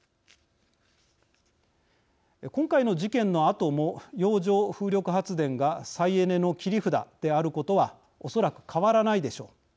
今回の事件のあとも洋上風力発電が再エネの切り札であることはおそらく変わらないでしょう。